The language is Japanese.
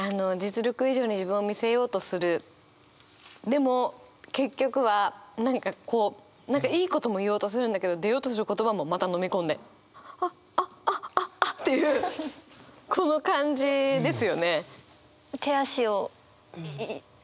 でも結局は何かこう何かいいことも言おうとするんだけど出ようとする言葉もまたのみ込んであっあっあっあっあっっていうこの感じですよね。